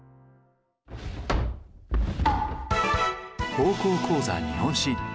「高校講座日本史」。